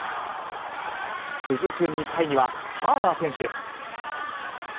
続く２回には、ターナー選手。